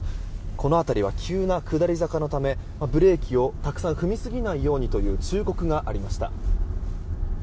この辺りは急な下り坂のためブレーキをたくさん踏みすぎないようにという忠告がありました。